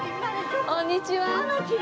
こんにちは。